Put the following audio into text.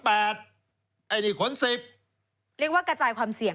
ไอ้นี่ขน๘ไอ้นี่ขน๑๐เรียกว่ากระจายความเสี่ยง